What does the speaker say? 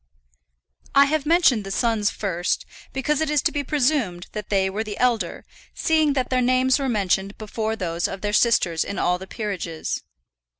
I have mentioned the sons first, because it is to be presumed that they were the elder, seeing that their names were mentioned before those of their sisters in all the peerages.